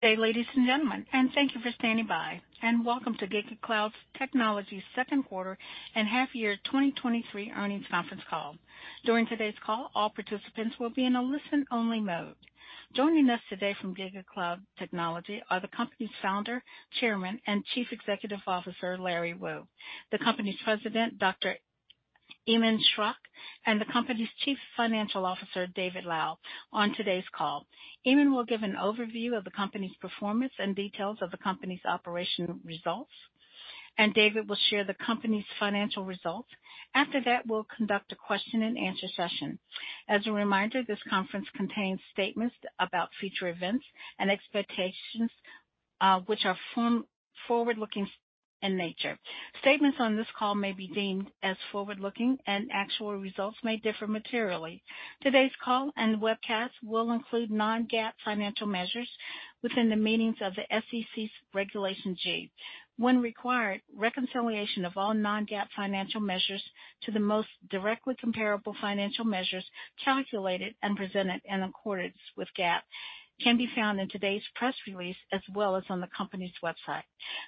Good day, ladies and gentlemen, thank you for standing by, and welcome to GigaCloud Technology's second quarter and half year 2023 earnings conference call. During today's call, all participants will be in a listen-only mode. Joining us today from GigaCloud Technology are the company's Founder, Chairman, and Chief Executive Officer, Larry Wu; the company's President, Dr. Iman Schrock; and the company's Chief Financial Officer, David Lau. On today's call, Iman will give an overview of the company's performance and details of the company's operational results, David will share the company's financial results. After that, we'll conduct a question-and-answer session. As a reminder, this conference contains statements about future events and expectations, which are forward-looking in nature. Statements on this call may be deemed as forward-looking, actual results may differ materially. Today's call and webcast will include non-GAAP financial measures within the meanings of the SEC's Regulation G. When required, reconciliation of all non-GAAP financial measures to the most directly comparable financial measures, calculated and presented in accordance with GAAP, can be found in today's press release as well as on the company's website.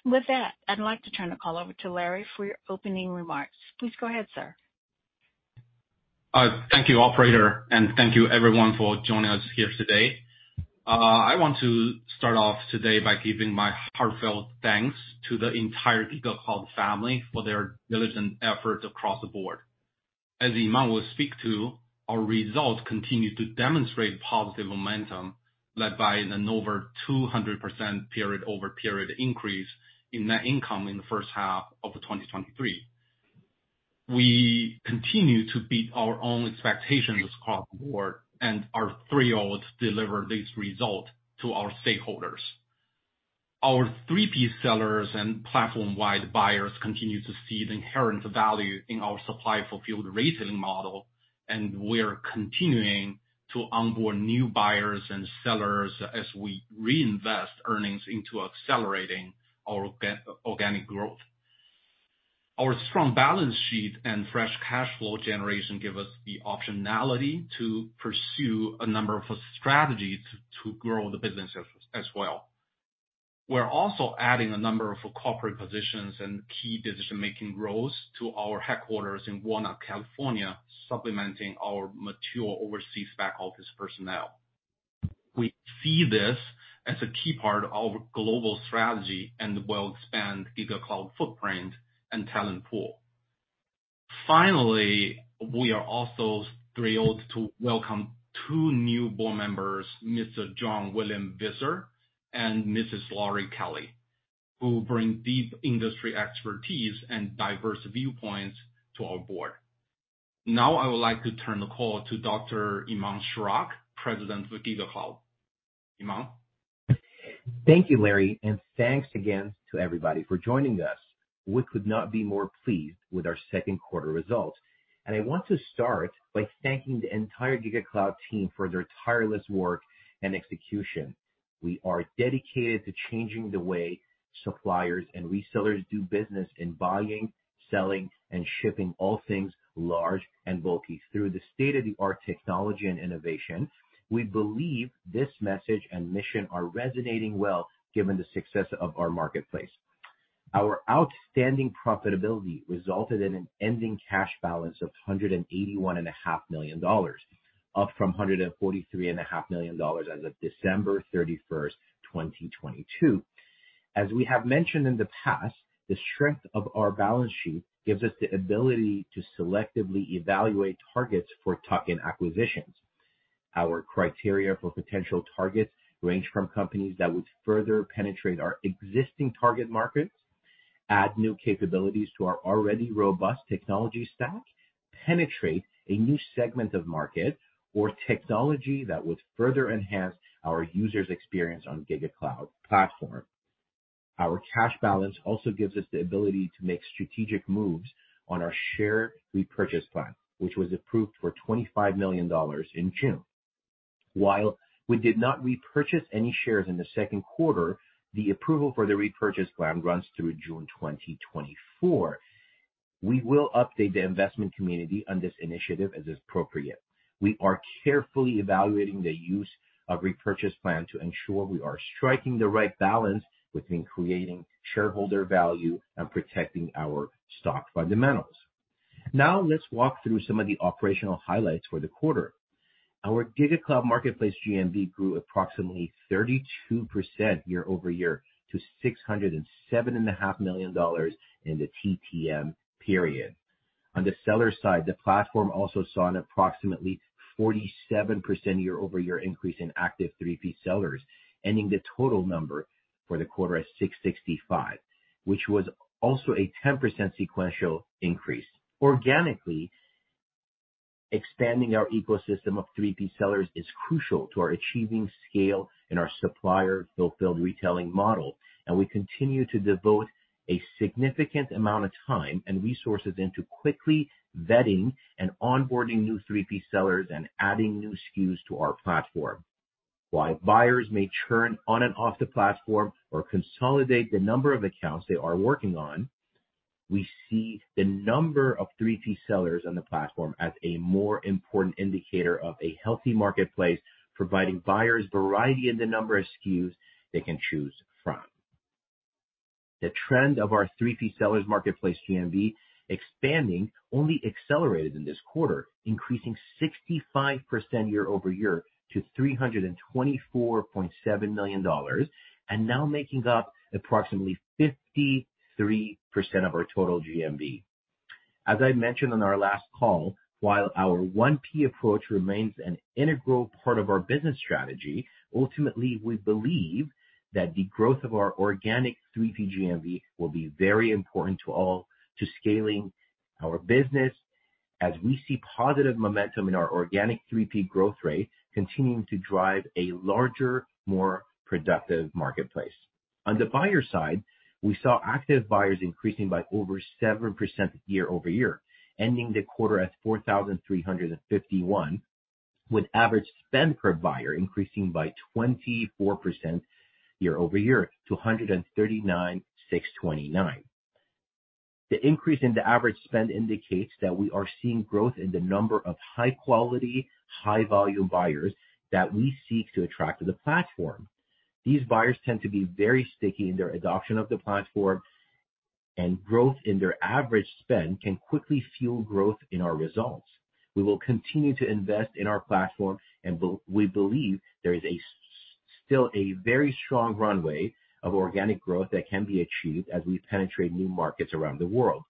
With that, I'd like to turn the call over to Larry for your opening remarks. Please go ahead, sir. Thank you, Operator, and thank you everyone for joining us here today. I want to start off today by giving my heartfelt thanks to the entire GigaCloud family for their diligent efforts across the board. As Iman will speak to, our results continue to demonstrate positive momentum, led by an over 200% period-over-period increase in net income in the first half of 2023. We continue to beat our own expectations across the board, and are thrilled to deliver this result to our stakeholders. Our 3P sellers and platform-wide buyers continue to see the inherent value in our Supplier Fulfilled Retailing model, and we're continuing to onboard new buyers and sellers as we reinvest earnings into accelerating our organic growth. Our strong balance sheet and fresh cash flow generation give us the optionality to pursue a number of strategies to grow the business as well. We're also adding a number of corporate positions and key decision-making roles to our headquarters in Walnut, California, supplementing our mature overseas back office personnel. We see this as a key part of our global strategy and will expand GigaCloud footprint and talent pool. Finally, we are also thrilled to welcome two new board members, Mr. Jan Willem Visser and Mrs. Lorri Kelley, who bring deep industry expertise and diverse viewpoints to our board. Now, I would like to turn the call to Dr. Iman Schrock, President of GigaCloud. Iman? Thank you, Larry. Thanks again to everybody for joining us. We could not be more pleased with our second quarter results. I want to start by thanking the entire GigaCloud team for their tireless work and execution. We are dedicated to changing the way suppliers and resellers do business in buying, selling, and shipping all things large and bulky. Through the state-of-the-art technology and innovation, we believe this message and mission are resonating well, given the success of our marketplace. Our outstanding profitability resulted in an ending cash balance of $181.5 million, up from $143.5 million as of December 31, 2022. As we have mentioned in the past, the strength of our balance sheet gives us the ability to selectively evaluate targets for tuck-in acquisitions. Our criteria for potential targets range from companies that would further penetrate our existing target markets, add new capabilities to our already robust technology stack, penetrate a new segment of market, or technology that would further enhance our users' experience on GigaCloud platform. Our cash balance also gives us the ability to make strategic moves on our share repurchase plan, which was approved for $25 million in June. While we did not repurchase any shares in the second quarter, the approval for the repurchase plan runs through June 2024. We will update the investment community on this initiative as appropriate. We are carefully evaluating the use of repurchase plan to ensure we are striking the right balance between creating shareholder value and protecting our stock fundamentals. Let's walk through some of the operational highlights for the quarter. Our GigaCloud Marketplace GMV grew approximately 32% year-over-year, to $607.5 million in the TTM period. On the seller side, the platform also saw an approximately 47% year-over-year increase in active 3P sellers, ending the total number for the quarter at 665, which was also a 10% sequential increase. Organically, expanding our ecosystem of 3P sellers is crucial to our achieving scale and our Supplier Fulfilled Retailing model, and we continue to devote a significant amount of time and resources into quickly vetting and onboarding new 3P sellers and adding new SKUs to our platform. While buyers may churn on and off the platform or consolidate the number of accounts they are working on-... We see the number of 3P sellers on the platform as a more important indicator of a healthy marketplace, providing buyers variety in the number of SKUs they can choose from. The trend of our 3P sellers marketplace GMV expanding only accelerated in this quarter, increasing 65% year-over-year to $324.7 million, and now making up approximately 53% of our total GMV. As I mentioned on our last call, while our 1P approach remains an integral part of our business strategy, ultimately, we believe that the growth of our organic 3P GMV will be very important to scaling our business as we see positive momentum in our organic 3P growth rate, continuing to drive a larger, more productive marketplace. On the buyer side, we saw active buyers increasing by over 7% year-over-year, ending the quarter at 4,351, with average spend per buyer increasing by 24% year-over-year to $139,629. The increase in the average spend indicates that we are seeing growth in the number of high quality, high volume buyers that we seek to attract to the platform. These buyers tend to be very sticky in their adoption of the platform, and growth in their average spend can quickly fuel growth in our results. We will continue to invest in our platform, we believe there is still a very strong runway of organic growth that can be achieved as we penetrate new markets around the world.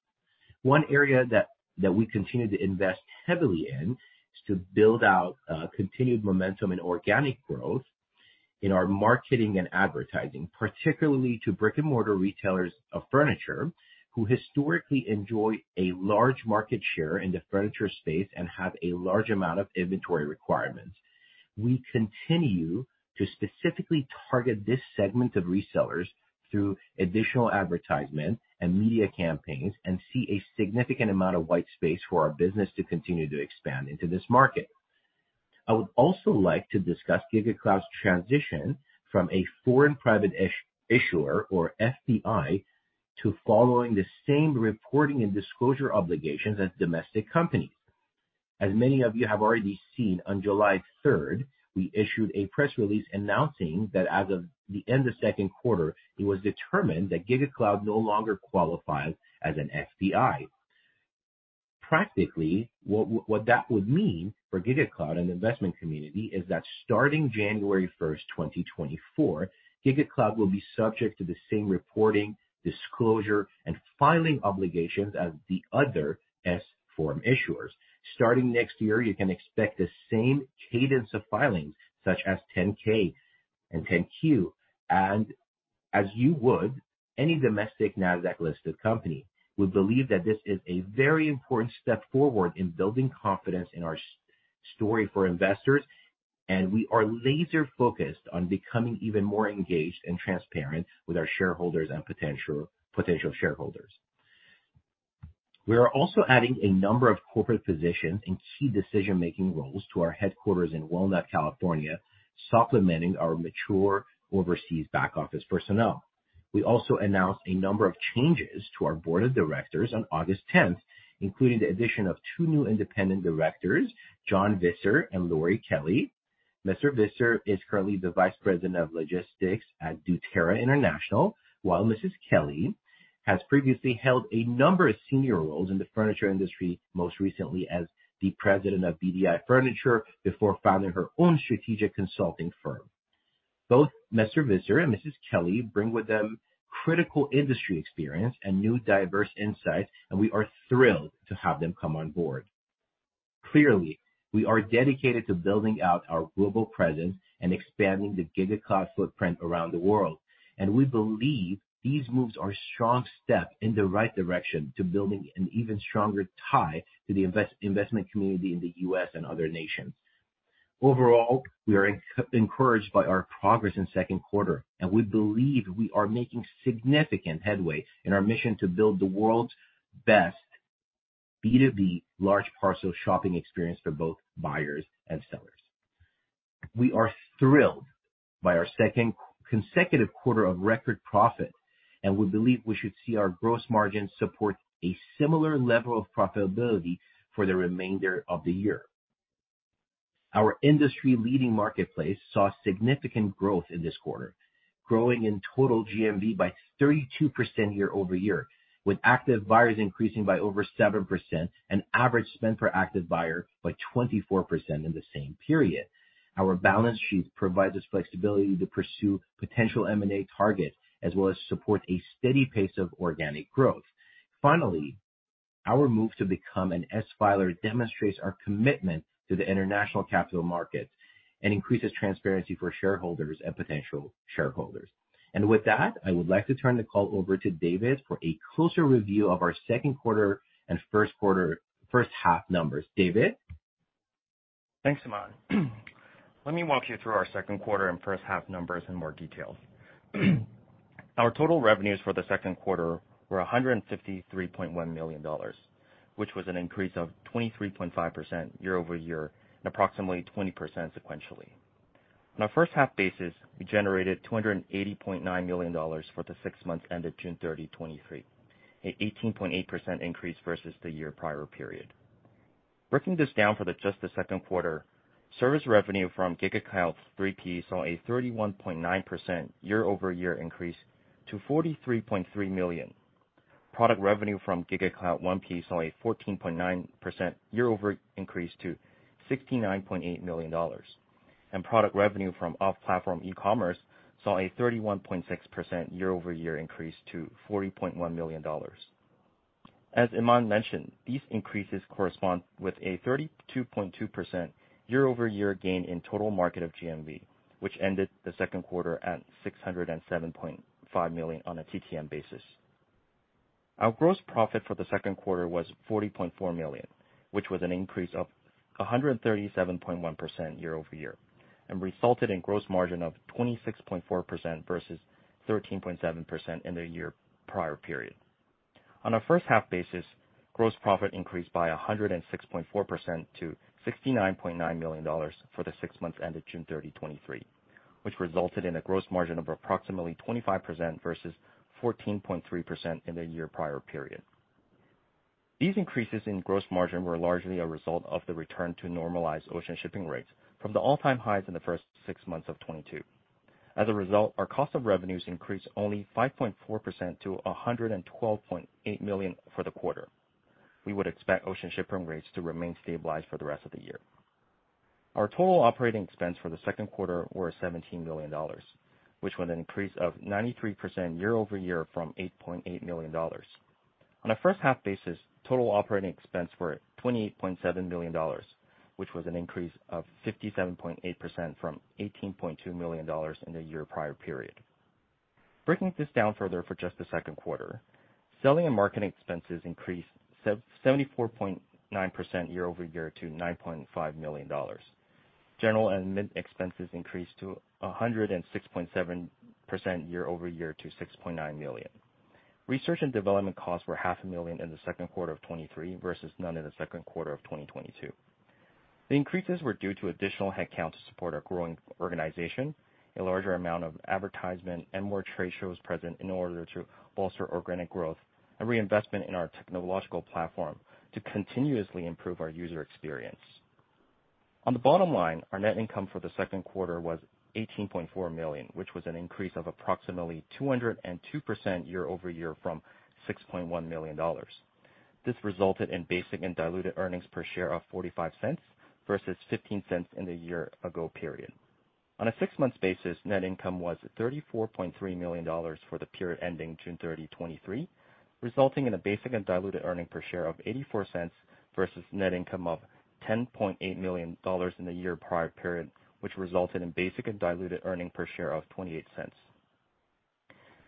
One area that, that we continue to invest heavily in is to build out continued momentum and organic growth in our marketing and advertising, particularly to brick-and-mortar retailers of furniture, who historically enjoy a large market share in the furniture space and have a large amount of inventory requirements. We continue to specifically target this segment of resellers through additional advertisement and media campaigns, see a significant amount of white space for our business to continue to expand into this market. I would also like to discuss GigaCloud's transition from a Foreign Private Issuer, or FPI, to following the same reporting and disclosure obligations as domestic companies. As many of you have already seen, on July 3rd, we issued a press release announcing that as of the end of second quarter, it was determined that GigaCloud no longer qualifies as an FPI. Practically, what that would mean for GigaCloud and the investment community is that starting January 1st, 2024, GigaCloud will be subject to the same reporting, disclosure, and filing obligations as the other S-Form issuers. Starting next year, you can expect the same cadence of filings, such as 10-K and 10-Q, as you would any domestic NASDAQ-listed company. We believe that this is a very important step forward in building confidence in our story for investors, we are laser focused on becoming even more engaged and transparent with our shareholders and potential shareholders. We are also adding a number of corporate positions in key decision-making roles to our headquarters in Walnut, California, supplementing our mature overseas back office personnel. We announced a number of changes to our board of directors on August 10th, including the addition of two new independent directors, Jan Visser and Lorri Kelley. Mr. Visser is currently the Vice President of Logistics at doTERRA International, while Mrs. Kelley has previously held a number of senior roles in the furniture industry, most recently as the President of BDI Furniture, before founding her own strategic consulting firm. Both Mr. Visser and Mrs. Kelley bring with them critical industry experience and new, diverse insights, we are thrilled to have them come on board. Clearly, we are dedicated to building out our global presence and expanding the GigaCloud footprint around the world, we believe these moves are a strong step in the right direction to building an even stronger tie to the investment community in the U.S. and other nations. Overall, we are encouraged by our progress in second quarter. We believe we are making significant headway in our mission to build the world's best B2B large parcel shopping experience for both buyers and sellers. We are thrilled by our second consecutive quarter of record profit. We believe we should see our gross margins support a similar level of profitability for the remainder of the year. Our industry-leading marketplace saw significant growth in this quarter, growing in total GMV by 32% year-over-year, with active buyers increasing by over 7% and average spend per active buyer by 24% in the same period. Our balance sheet provides us flexibility to pursue potential M&A targets, as well as support a steady pace of organic growth. Finally, our move to become an S-filer demonstrates our commitment to the international capital markets and increases transparency for shareholders and potential shareholders. With that, I would like to turn the call over to David for a closer review of our second quarter and first quarter, first half numbers. David? Thanks, Iman. Let me walk you through our second quarter and first half numbers in more detail. Our total revenues for the second quarter were $153.1 million, which was an increase of 23.5% year-over-year and approximately 20% sequentially. On a first half basis, we generated $280.9 million for the six months ended June 30, 2023, an 18.8% increase versus the year prior period. Breaking this down for just the second quarter, service revenue from GigaCloud 3P saw a 31.9% year-over-year increase to $43.3 million. Product revenue from GigaCloud 1P saw a 14.9% year-over-year increase to $69.8 million. Product revenue from off-platform ecommerce saw a 31.6% year-over-year increase to $40.1 million. As Iman mentioned, these increases correspond with a 32.2% year-over-year gain in total market of GMV, which ended the second quarter at $607.5 million on a TTM basis. Our gross profit for the second quarter was $40.4 million, which was an increase of 137.1% year-over-year and resulted in gross margin of 26.4% versus 13.7% in the year prior period. On a first half basis, gross profit increased by 106.4% to $69.9 million for the 6 months ended June 30, 2023, which resulted in a gross margin of approximately 25% versus 14.3% in the year prior period. These increases in gross margin were largely a result of the return to normalized ocean shipping rates from the all-time highs in the first six months of 2022. As a result, our cost of revenues increased only 5.4% to $112.8 million for the quarter. We would expect ocean shipping rates to remain stabilized for the rest of the year. Our total operating expense for the second quarter were $17 million, which was an increase of 93% year-over-year from $8.8 million. On a first half basis, total operating expense were $28.7 million, which was an increase of 57.8% from $18.2 million in the year prior period. Breaking this down further for just the second quarter, selling and marketing expenses increased 74.9% year-over-year to $9.5 million. General and admin expenses increased to 106.7% year-over-year to $6.9 million. Research and development costs were $500,000 in the second quarter of 2023 versus none in the second quarter of 2022. The increases were due to additional headcount to support our growing organization, a larger amount of advertisement, and more trade shows present in order to bolster organic growth and reinvestment in our technological platform to continuously improve our user experience. On the bottom line, our net income for the second quarter was $18.4 million, which was an increase of approximately 202% year-over-year from $6.1 million. This resulted in basic and Diluted Earnings per Share of $0.45 versus $0.15 in the year ago period. On a six-month basis, net income was $34.3 million for the period ending June 30, 2023, resulting in a basic and Diluted Earning per Share of $0.84 versus net income of $10.8 million in the year prior period, which resulted in basic and Diluted Earning per Share of $0.28.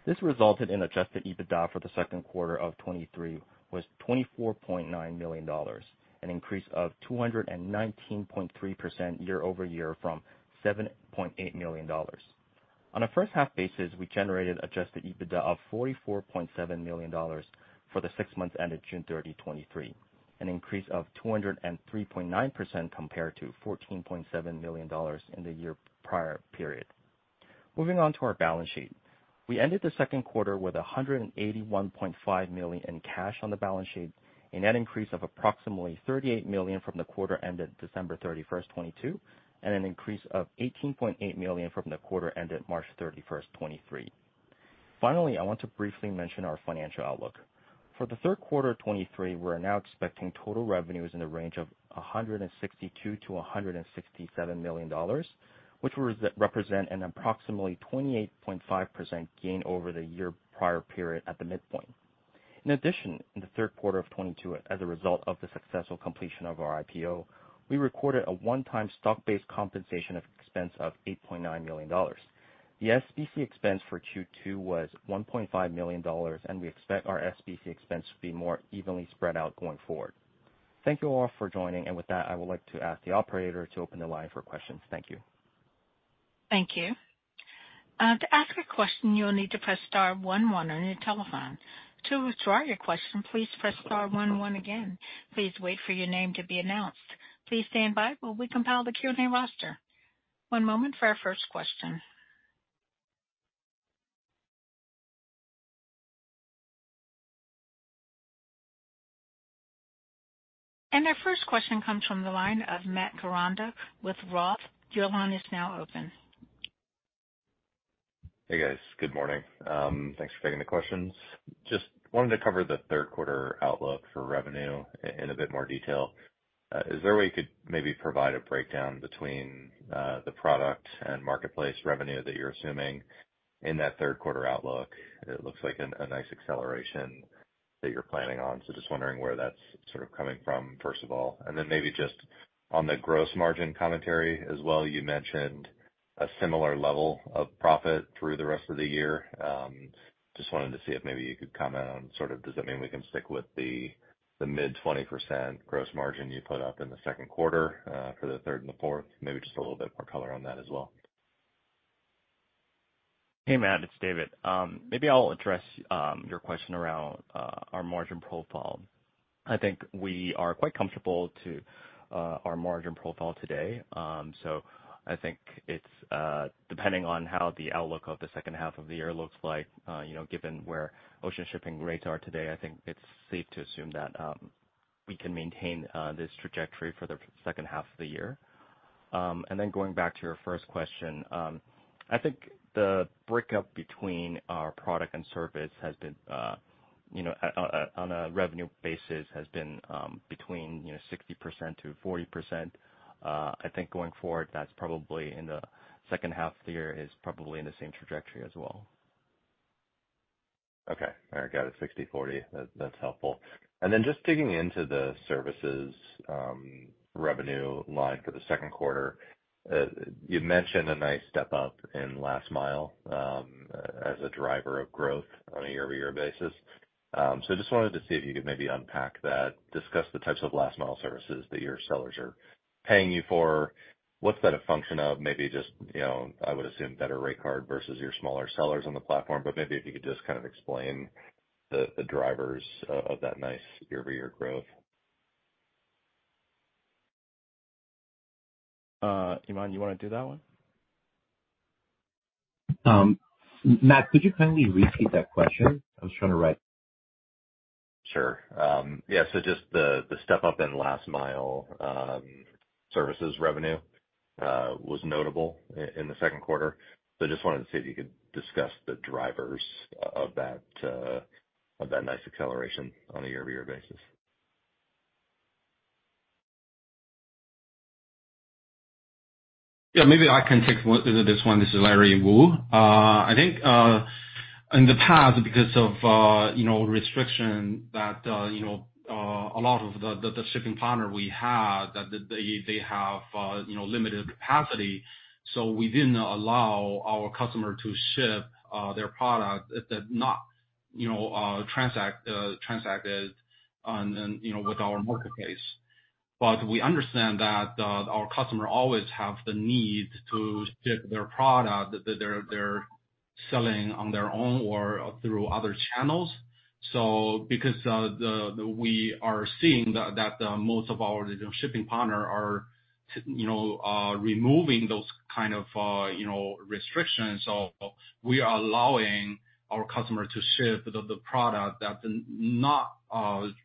This resulted in Adjusted EBITDA for the second quarter of 2023, was $24.9 million, an increase of 219.3% year-over-year from $7.8 million. On a first half basis, we generated Adjusted EBITDA of $44.7 million for the six months ended June 30, 2023, an increase of 203.9% compared to $14.7 million in the year-prior period. Moving on to our balance sheet. We ended the second quarter with $181.5 million in cash on the balance sheet, a net increase of approximately $38 million from the quarter ended December 31st, 2022, and an increase of $18.8 million from the quarter ended March 31st, 2023. Finally, I want to briefly mention our financial outlook. For the third quarter of 2023, we're now expecting total revenues in the range of $162 million-$167 million, which would represent an approximately 28.5% gain over the year prior period at the midpoint. In addition, in the third quarter of 2022, as a result of the successful completion of our IPO, we recorded a one-time stock-based compensation expense of $8.9 million. The SBC expense for Q2 was $1.5 million, and we expect our SBC expense to be more evenly spread out going forward. Thank you all for joining. With that, I would like to ask the Operator to open the line for questions. Thank you. Thank you. To ask a question, you will need to press star one one on your telephone. To withdraw your question, please press star one one again. Please wait for your name to be announced. Please stand by while we compile the Q&A roster. One moment for our first question. Our first question comes from the line of Matt Koranda with Roth. Your line is now open. Hey, guys. Good morning. Thanks for taking the questions. Just wanted to cover the third quarter outlook for revenue in a bit more detail. Is there a way you could maybe provide a breakdown between the product and marketplace revenue that you're assuming in that third quarter outlook? It looks like a nice acceleration that you're planning on. Just wondering where that's sort of coming from, first of all. Then maybe just on the gross margin commentary as well, you mentioned a similar level of profit through the rest of the year. Just wanted to see if maybe you could comment on sort of, does that mean we can stick with the mid-20% gross margin you put up in the second quarter, for the third and the fourth? Maybe just a little bit more color on that as well. Hey, Matt, it's David. Maybe I'll address your question around our margin profile. I think we are quite comfortable to our margin profile today. I think it's depending on how the outlook of the second half of the year looks like, you know, given where ocean shipping rates are today, I think it's safe to assume that we can maintain this trajectory for the second half of the year. Going back to your first question, I think the breakup between our product and service has been, you know, on, on a revenue basis, has been between, you know, 60%-40%. I think going forward, that's probably in the second half of the year, is probably in the same trajectory as well. Okay. I got it, 60/40. That, that's helpful. Then just digging into the services revenue line for the second quarter. You mentioned a nice step up in last mile as a driver of growth on a year-over-year basis. I just wanted to see if you could maybe unpack that, discuss the types of last mile services that your sellers are paying you for. What's that a function of? Maybe just, you know, I would assume better rate card versus your smaller sellers on the platform, but maybe if you could just kind of explain the drivers of that nice year-over-year growth. Iman, you wanna do that one? Matt, could you kindly repeat that question? I was trying to write. Sure. yeah, just the, the step up in last mile services revenue was notable in the second quarter. Just wanted to see if you could discuss the drivers of that, of that nice acceleration on a year-over-year basis. Yeah, maybe I can take one, this one. This is Larry Wu. I think, in the past, because of, you know, restriction, that, you know, a lot of the, the, the shipping partner we had, that they, they have, you know, limited capacity, so we didn't allow our customer to ship, their product that, that not, you know, transact, transacted on, on, you know, with our marketplace. We understand that, our customer always have the need to ship their product that they're, they're selling on their own or through other channels. Because, the, we are seeing that, most of our, you know, shipping partner are, removing those kind of, you know, restrictions. We are allowing our customer to ship the product that not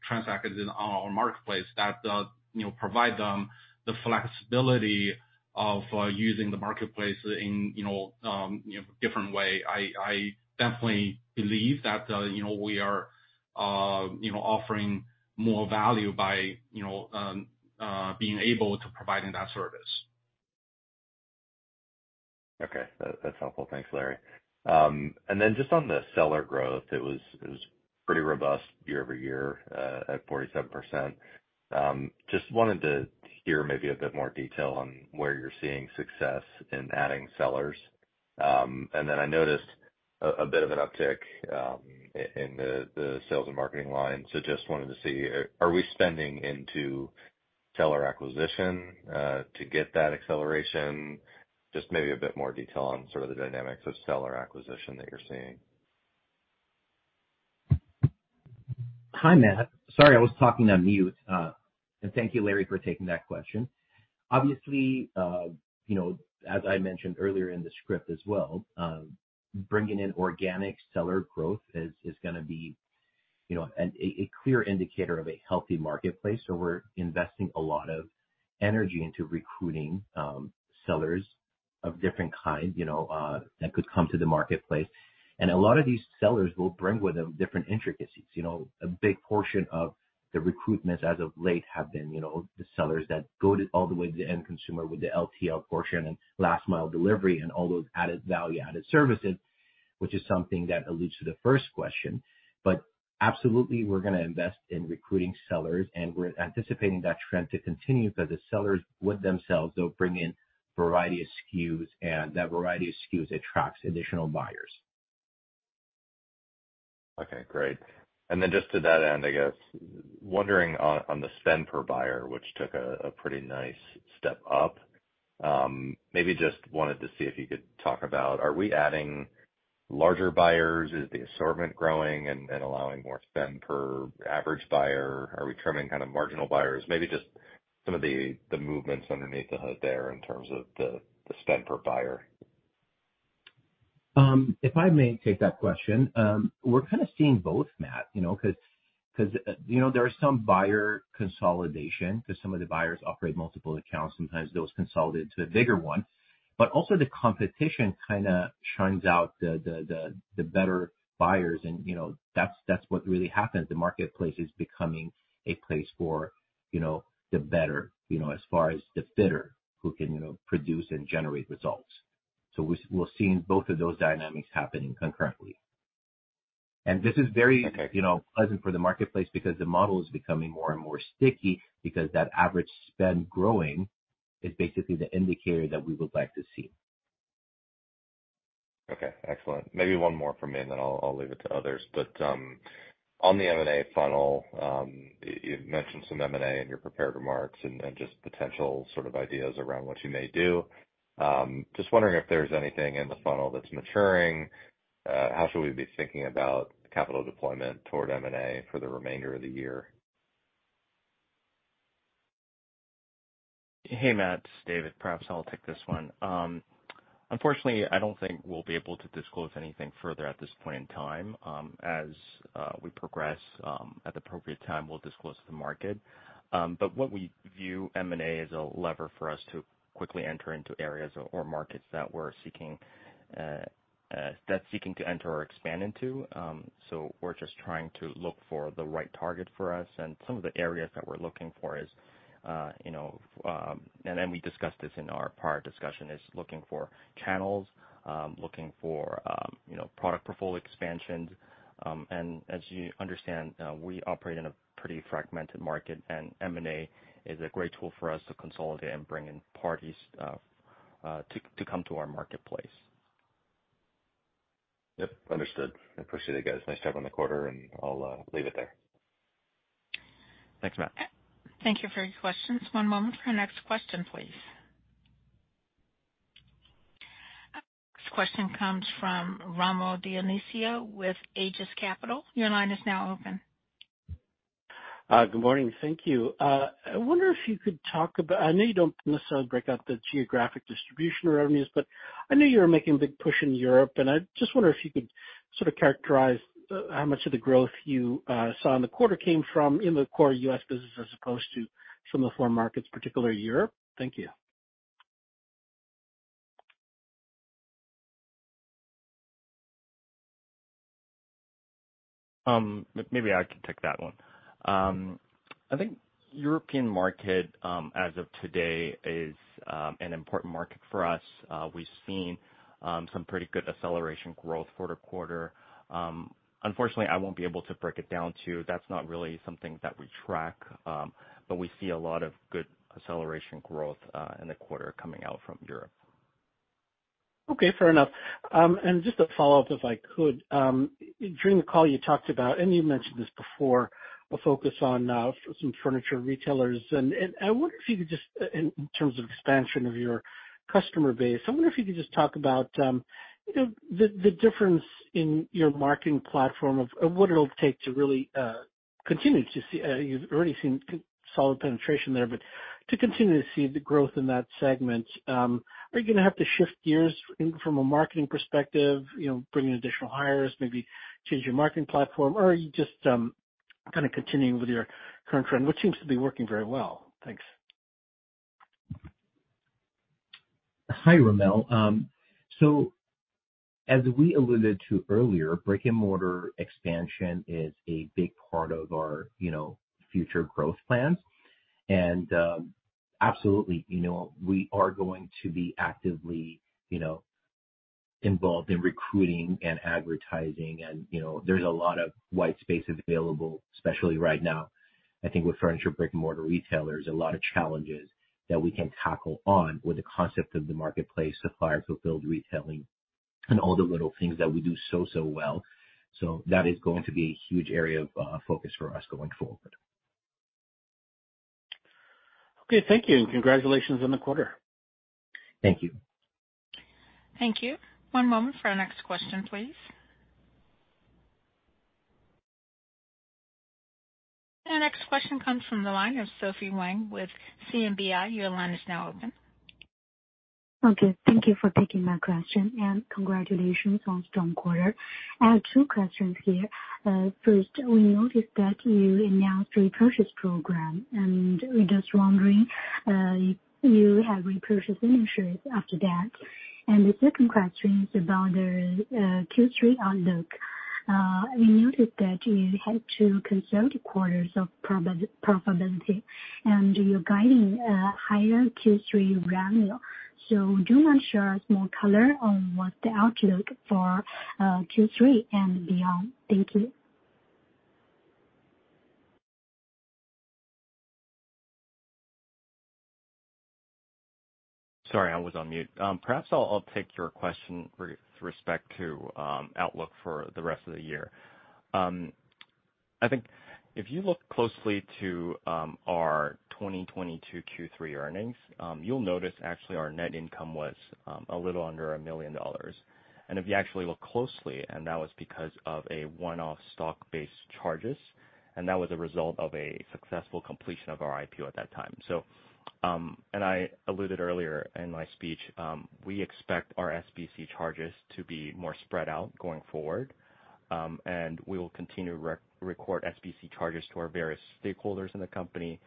transacted in our marketplace, that, you know, provide them the flexibility of using the marketplace in, you know, different way. I definitely believe that, you know, we are, you know, offering more value by, you know, being able to providing that service. Okay. That, that's helpful. Thanks, Larry. Just on the seller growth, it was, it was pretty robust year-over-year, at 47%. Just wanted to hear maybe a bit more detail on where you're seeing success in adding sellers. I noticed a, a bit of an uptick in the, the sales and marketing line. Just wanted to see, are we spending into seller acquisition to get that acceleration? Just maybe a bit more detail on sort of the dynamics of seller acquisition that you're seeing. Hi, Matt. Sorry, I was talking on mute. Thank you, Larry, for taking that question. Obviously, you know, as I mentioned earlier in the script as well, bringing in organic seller growth is, is gonna be, you know, an, a, a clear indicator of a healthy marketplace. We're investing a lot of energy into recruiting, sellers of different kind, you know, that could come to the marketplace. A lot of these sellers will bring with them different intricacies. You know, a big portion of the recruitment as of late have been, you know, the sellers that go to all the way to the end consumer with the LTL portion and last mile delivery and all those added value, added services, which is something that alludes to the first question. Absolutely, we're gonna invest in recruiting sellers, and we're anticipating that trend to continue, because the sellers with themselves, they'll bring in variety of SKUs, and that variety of SKUs attracts additional buyers. Okay, great. Just to that end, I guess, wondering on, on the spend per buyer, which took a, a pretty nice step up. Just wanted to see if you could talk about, are we adding larger buyers? Is the assortment growing and allowing more spend per average buyer? Are we trimming kind of marginal buyers? Maybe just some of the movements underneath the hood there in terms of the spend per buyer. If I may take that question. We're kind of seeing both, Matt, you know, 'cause, you know, there are some buyer consolidation, 'cause some of the buyers operate multiple accounts, sometimes those consolidated to a bigger one. Also the competition kinda shines out the better buyers and, you know, that's, that's what really happens. The marketplace is becoming a place for, you know, the better, you know, as far as the fitter, who can, you know, produce and generate results. We, we're seeing both of those dynamics happening concurrently. This is very- Okay. you know, pleasant for the marketplace because the model is becoming more and more sticky, because that average spend growing is basically the indicator that we would like to see. Okay, excellent. Maybe one more from me, and then I'll, I'll leave it to others. On the M&A funnel, you, you've mentioned some M&A in your prepared remarks and, and just potential sort of ideas around what you may do. Just wondering if there's anything in the funnel that's maturing. How should we be thinking about capital deployment toward M&A for the remainder of the year? Hey, Matt, it's David. Perhaps I'll take this one. Unfortunately, I don't think we'll be able to disclose anything further at this point in time. As we progress, at the appropriate time, we'll disclose to the market. What we view M&A as a lever for us to quickly enter into areas or markets that we're seeking, that's seeking to enter or expand into. We're just trying to look for the right target for us. Some of the areas that we're looking for is, you know, and then we discussed this in our prior discussion, is looking for channels, looking for, you know, product portfolio expansions. As you understand, we operate in a pretty fragmented market, and M&A is a great tool for us to consolidate and bring in parties, to, to come to our marketplace. Yep, understood. I appreciate it, guys. Nice job on the quarter, and I'll leave it there. Thanks, Matt. Thank you for your questions. One moment for our next question, please. Our next question comes from Rommel Dionisio with Aegis Capital. Your line is now open. Good morning. Thank you. I wonder if you could talk about -- I know you don't necessarily break out the geographic distribution revenues, but I know you're making a big push in Europe, and I just wonder if you could sort of characterize how much of the growth you saw in the quarter came from in the core US business as opposed to some of the foreign markets, particularly Europe. Thank you. Maybe I can take that one. I think European market, as of today, is an important market for us. We've seen some pretty good acceleration growth quarter-over-quarter. Unfortunately, I won't be able to break it down to you. That's not really something that we track, but we see a lot of good acceleration growth in the quarter coming out from Europe. Okay, fair enough. Just a follow-up, if I could. During the call, you talked about, and you mentioned this before, a focus on some furniture retailers. I wonder if you could just, in terms of expansion of your customer base, I wonder if you could just talk about, you know, the, the difference in your marketing platform of, of what it'll take to really continue to see, you've already seen solid penetration there, but to continue to see the growth in that segment, are you gonna have to shift gears in from a marketing perspective, you know, bring in additional hires, maybe change your marketing platform, or are you just kind of continuing with your current trend, which seems to be working very well? Thanks. Hi, Rommel. As we alluded to earlier, brick-and-mortar expansion is a big part of our, you know, future growth plans. Absolutely, you know, we are going to be actively, you know, involved in recruiting and advertising. You know, there's a lot of white spaces available, especially right now. I think with furniture, brick-and-mortar retailers, a lot of challenges that we can tackle on with the concept of the marketplace, Supplier Fulfilled Retailing and all the little things that we do so, so well. That is going to be a huge area of focus for us going forward. Okay. Thank you, and congratulations on the quarter. Thank you. Thank you. One moment for our next question, please. Our next question comes from the line of Sophie Huang with CMBI. Your line is now open. Okay, thank you for taking my question, and congratulations on a strong quarter. I have two questions here. First, we noticed that you announced repurchase program, and we're just wondering, you have repurchased any shares after that? The second question is about the Q3 outlook. We noted that you had two consecutive quarters of profitability, and you're guiding a higher Q3 revenue. Do you want to share more color on what the outlook for Q3 and beyond? Thank you. Sorry, I was on mute. Perhaps I'll, I'll take your question with respect to outlook for the rest of the year. I think if you look closely to our 2022 Q3 earnings, you'll notice actually our net income was a little under $1 million. If you actually look closely, that was because of a one-off stock-based charges, and that was a result of a successful completion of our IPO at that time. I alluded earlier in my speech, we expect our SBC charges to be more spread out going forward, and we will continue record SBC charges to our various stakeholders in the company.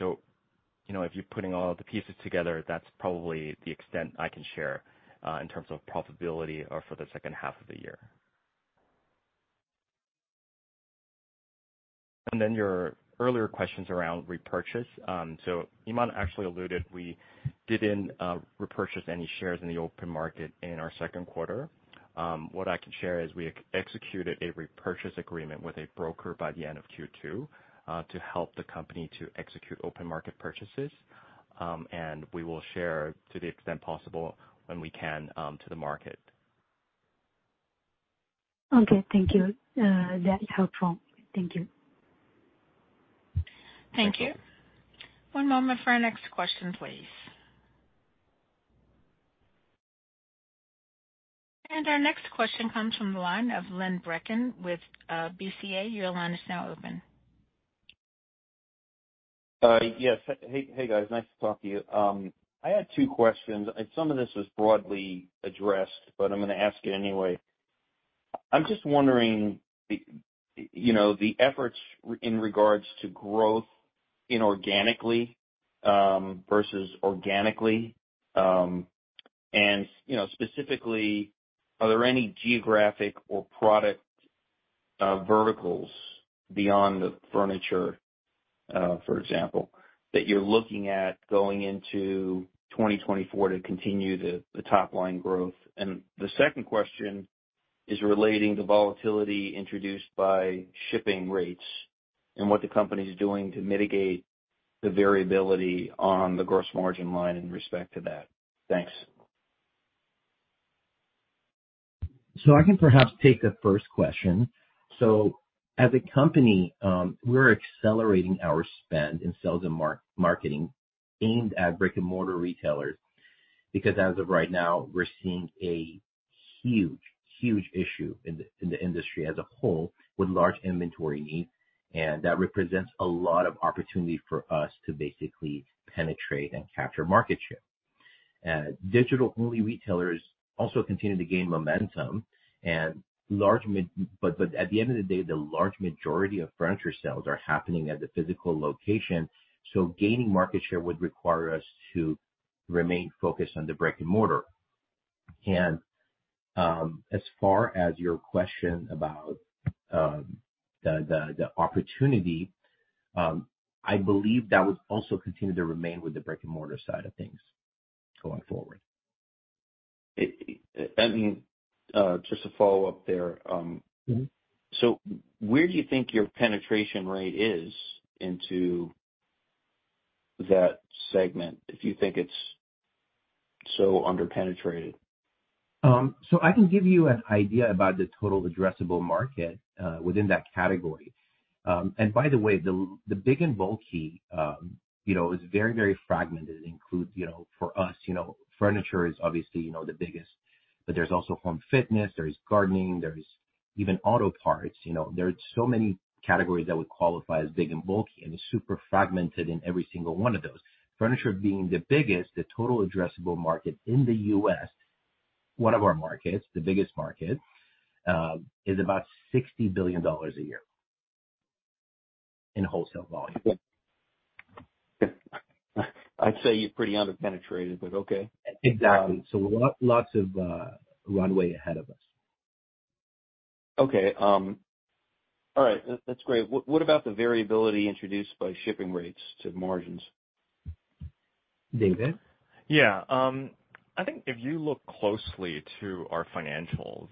You know, if you're putting all the pieces together, that's probably the extent I can share in terms of profitability or for the second half of the year. Your earlier questions around repurchase. Iman actually alluded, we didn't repurchase any shares in the open market in our second quarter. What I can share is we executed a repurchase agreement with a broker by the end of Q2 to help the company to execute open market purchases.... and we will share to the extent possible when we can to the market. Okay, thank you. That is helpful. Thank you. Thank you. One moment for our next question, please. Our next question comes from the line of Lynn Brecken with BCA. Your line is now open. Yes. Hey, hey, guys. Nice to talk to you. I had two questions, and some of this was broadly addressed, but I'm gonna ask it anyway. I'm just wondering, the, you know, the efforts in regards to growth inorganically versus organically. You know, specifically, are there any geographic or product verticals beyond the furniture, for example, that you're looking at going into 2024 to continue the top line growth? The second question is relating to volatility introduced by shipping rates and what the company is doing to mitigate the variability on the gross margin line in respect to that. Thanks. I can perhaps take the first question. As a company, we're accelerating our spend in sales and marketing aimed at brick-and-mortar retailers, because as of right now, we're seeing a huge, huge issue in the industry as a whole, with large inventory needs. That represents a lot of opportunity for us to basically penetrate and capture market share. Digital-only retailers also continue to gain momentum. At the end of the day, the large majority of furniture sales are happening at the physical location, so gaining market share would require us to remain focused on the brick-and-mortar. As far as your question about the opportunity, I believe that would also continue to remain with the brick-and-mortar side of things going forward. It, I mean, just to follow up there. Mm-hmm. Where do you think your penetration rate is into that segment, if you think it's so underpenetrated? So I can give you an idea about the total addressable market within that category. By the way, the, the big and bulky, you know, is very, very fragmented. It includes, you know, for us, you know, furniture is obviously, you know, the biggest, but there's also home fitness, there is gardening, there is even auto parts. You know, there are so many categories that would qualify as big and bulky, and it's super fragmented in every single one of those. Furniture being the biggest, the total addressable market in the U.S., one of our markets, the biggest market, is about $60 billion a year in wholesale volume. I'd say you're pretty underpenetrated, but okay. Exactly. lot, lots of, runway ahead of us. Okay. All right. That, that's great. What, what about the variability introduced by shipping rates to margins? David? Yeah. I think if you look closely to our financials,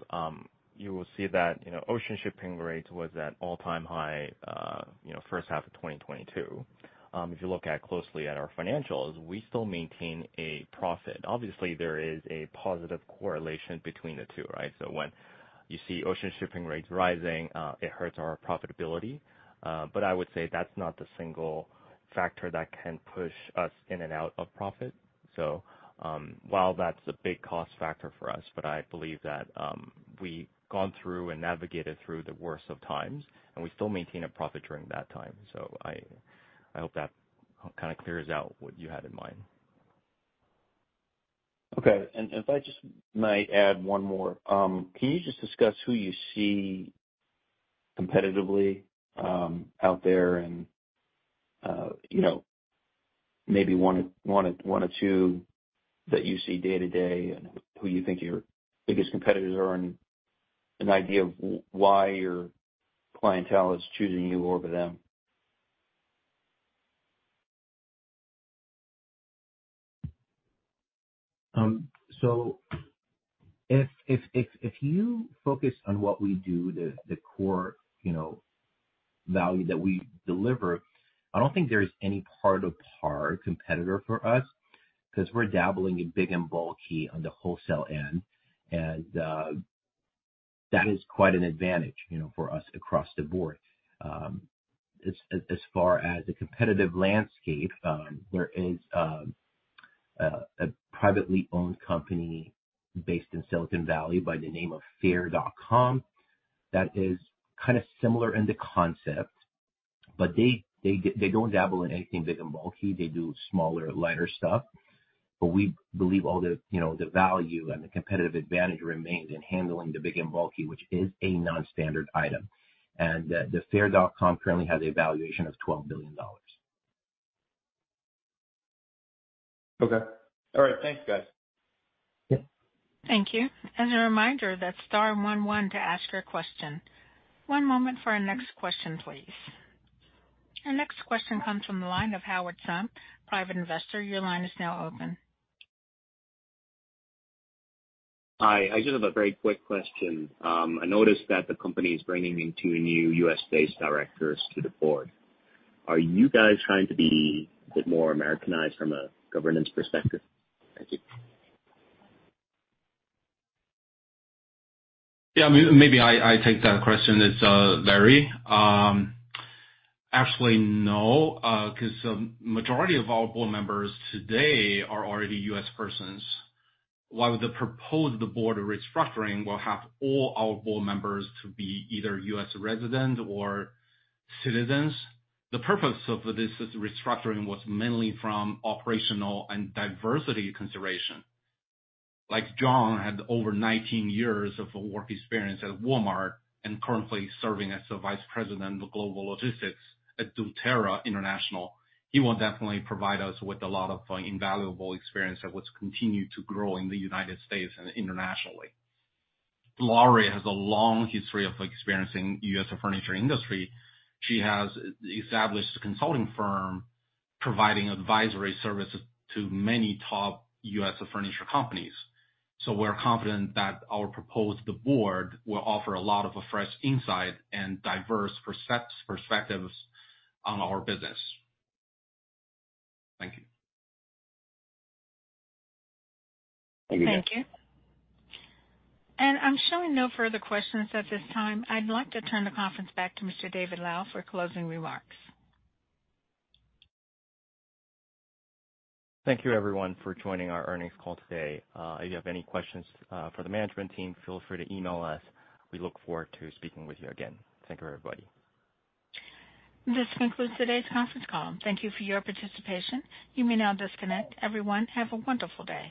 you will see that, you know, ocean shipping rates was at all-time high, you know, first half of 2022. If you look at closely at our financials, we still maintain a profit. Obviously, there is a positive correlation between the two, right? When you see ocean shipping rates rising, it hurts our profitability. I would say that's not the single factor that can push us in and out of profit. While that's a big cost factor for us, but I believe that, we've gone through and navigated through the worst of times, and we still maintain a profit during that time. I, I hope that kind of clears out what you had in mind. Okay. If I just might add one more, can you just discuss who you see competitively, out there and, you know, maybe one or two that you see day-to-day, and who you think your biggest competitors are, and an idea of why your clientele is choosing you over them? If, if, if, if you focus on what we do, the core, you know, value that we deliver, I don't think there is any part of par competitor for us, because we're dabbling in big and bulky on the wholesale end, and that is quite an advantage, you know, for us across the board. As, as far as the competitive landscape, there is a privately owned company based in Silicon Valley by the name of Fair.com that is kind of similar in the concept, but they don't dabble in anything big and bulky. They do smaller, lighter stuff. We believe all the, you know, the value and the competitive advantage remains in handling the big and bulky, which is a non-standard item, and the Faire.com currently has a valuation of $12 billion. Okay. All right. Thanks, guys. Yeah. Thank you. As a reminder, that's star 1one one to ask your question. One moment for our next question, please. Our next question comes from the line of Howard Sum, private investor. Your line is now open. Hi, I just have a very quick question. I noticed that the company is bringing in 2 new U.S.-based directors to the board. Are you guys trying to be a bit more Americanized from a governance perspective? Thank you. Yeah, maybe I, I take that question. It's Larry. Actually, no, 'cause the majority of our board members today are already U.S. persons, while the proposed board restructuring will have all our board members to be either U.S. residents or citizens. The purpose of this restructuring was mainly from operational and diversity consideration. Like, Jan had over 19 years of work experience at Walmart, and currently serving as the Vice President of Global Logistics at doTERRA International. He will definitely provide us with a lot of invaluable experience that will continue to grow in the United States and internationally. Lorri has a long history of experiencing U.S. furniture industry. She has established a consulting firm, providing advisory services to many top U.S. furniture companies. We're confident that our proposed board will offer a lot of fresh insight and diverse perspectives on our business. Thank you. Thank you. Thank you. I'm showing no further questions at this time. I'd like to turn the conference back to Mr. David Lau for closing remarks. Thank you, everyone, for joining our earnings call today. If you have any questions for the management team, feel free to email us. We look forward to speaking with you again. Thank you, everybody. This concludes today's conference call. Thank you for your participation. You may now disconnect. Everyone, have a wonderful day.